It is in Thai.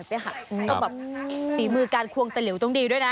ก็แบบฝีมือการควงตะหลิวต้องดีด้วยนะ